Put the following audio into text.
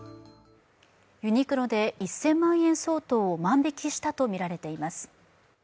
ユニクロで１０００万円相当を万引きしたとみらています。